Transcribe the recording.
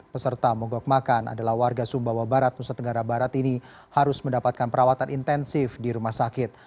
peserta mogok makan adalah warga sumbawa barat nusa tenggara barat ini harus mendapatkan perawatan intensif di rumah sakit